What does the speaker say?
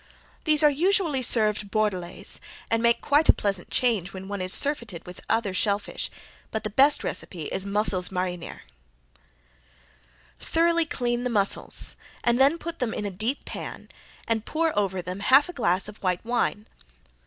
These are usually served Bordelaise, and make quite a pleasant change when one is surfeited with other shell fish, but the best recipe is: Mussels Mariniere Thoroughly clean the mussels and then put them in a deep pan and pour over them half a glass of white wine.